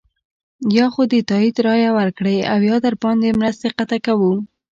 یا خو د تایید رایه ورکړئ او یا درباندې مرستې قطع کوو.